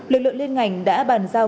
lực lượng liên ngành đã bàn giao